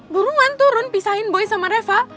burungan turun pisahin boy sama reva